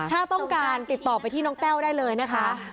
ถ้าต้องการติดต่อไปที่น้องแต้วได้เลยนะคะ